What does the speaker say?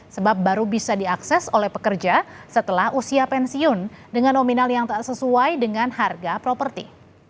sebab baru bisa diakses oleh pekerja setelah usia pensiun dengan nominal yang tak sesuai dengan harga properti